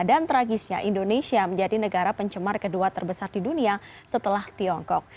dan tragisnya indonesia menjadi negara pencemar kedua terbesar di dunia setelah tiongkok